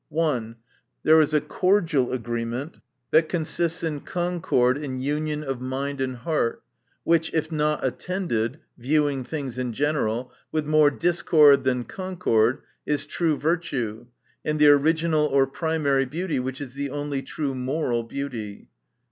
(1.) There is a cordial agreement; that consists in concord and union of mind and heart; which, if not attended {viewing things in general) with more discord than concord, is true virtue, and the original or primary beauty, which is the only true moral beauty.